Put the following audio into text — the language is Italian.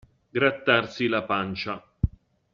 Grattarsi la pancia.